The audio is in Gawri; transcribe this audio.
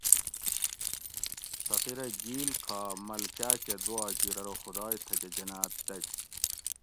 فقیرہ گِیل کھا ملکا کہ دُعا کیر ارو خُداۓ تھکہ جناٞت دگ